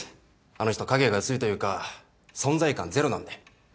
あの人影が薄いというか存在感ゼロなんで。